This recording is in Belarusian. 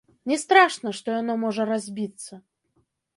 Не страшна, што яно можа разбіцца.